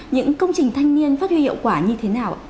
những công trình thanh niên phát huy hiệu quả như thế nào